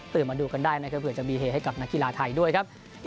มาดูกันได้นะครับเผื่อจะมีเหตุให้กับนักกีฬาไทยด้วยครับ